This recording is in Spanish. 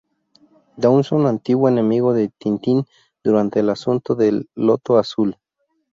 Dawson, antiguo enemigo de Tintín durante el asunto de "El Loto Azul".